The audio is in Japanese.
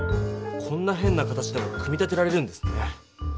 こんなへんな形でも組み立てられるんですね。